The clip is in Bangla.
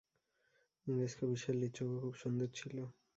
ইংরেজ কবি শেলির চোখও খুব সুন্দর ছিল।